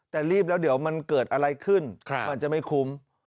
แต่รีบแล้วเดี๋ยวมันเกิดอะไรขึ้นมันจะไม่คุ้ม